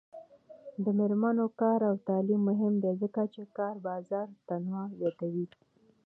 د میرمنو کار او تعلیم مهم دی ځکه چې کار بازار تنوع زیاتوي.